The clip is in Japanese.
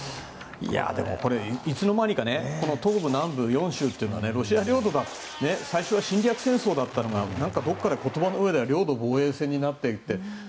でも、いつの間にか東部、南部の４州というのはロシア領土だと最初は侵略戦争だったのがどこからか言葉の上では領土防衛戦になっていって。